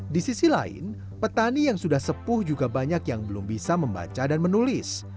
di sisi lain petani yang sudah sepuh juga banyak yang belum bisa membaca dan menulis